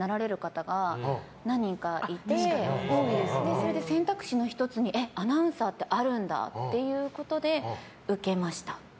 それで選択肢の一つにアナウンサーってあるんだってことで受けました。